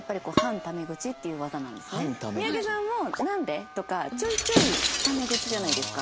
三宅さんも「なんで？」とかちょいちょいタメ口じゃないですか。